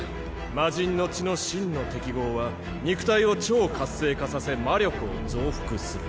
魔神の血の真の適合は肉体を超活性化させ魔力を増幅する。